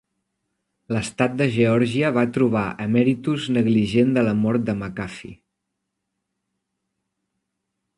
L'estat de Geòrgia va trobar Emeritus negligent de la mort de McAfee.